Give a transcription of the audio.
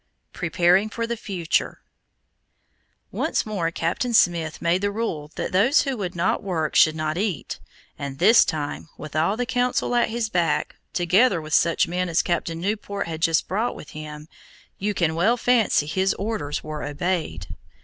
PREPARING FOR THE FUTURE Once more Captain Smith made the rule that those who would not work should not eat, and this time, with all the Council at his back, together with such men as Captain Newport had just brought with him, you can well fancy his orders were obeyed.